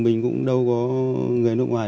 mình cũng đâu có người nước ngoài